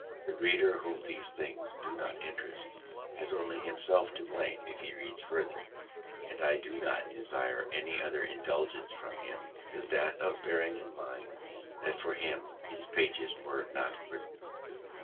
The reader whom these things do not interest, has only himself to blame if he reads farther, and I do not desire any other indulgence from him than that of bearing in mind that for him these pages were not written.